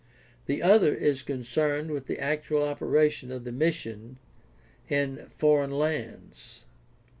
The other is con cerned with the actual operation of the missions in foreign lands.